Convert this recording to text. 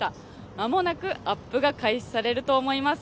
間もなくアップが開始されると思います。